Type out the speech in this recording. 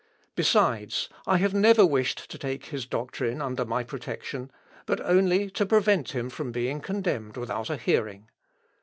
Besides, I have never wished to take his doctrine under my protection, but only to prevent him from being condemned without a hearing.